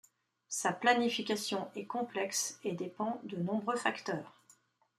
Sa planification est complexe et dépend de nombreux facteurs.